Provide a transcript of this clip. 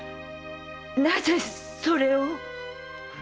なぜそれを！